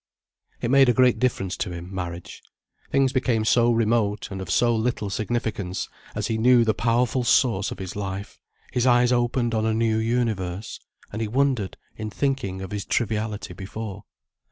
It made a great difference to him, marriage. Things became so remote and of so little significance, as he knew the powerful source of his life, his eyes opened on a new universe, and he wondered in thinking of his triviality before.